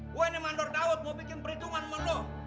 gue ini mandor daud mau bikin perhitungan sama lo